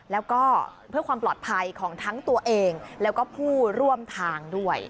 แล้วก็เพื่อความปลอดภัยของทั้งตัวเองแล้วก็ผู้ร่วมทางด้วย